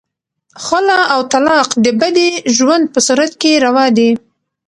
خلع او طلاق د بدې ژوند په صورت کې روا دي.